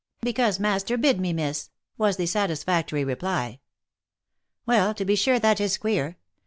" Because master bid me, miss," was the satisfactory reply. " Well to be sure, that is queer